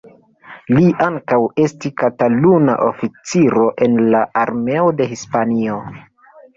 Li ankaŭ estis Kataluna oficiro en la Armeo de Hispanio.